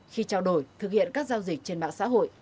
khi trao đổi thực hiện các giao dịch trên mạng xã hội